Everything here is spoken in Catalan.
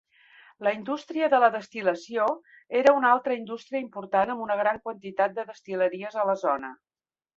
La indústria de la destil·lació era una altra indústria important amb una gran quantitat de destil·leries a la zona.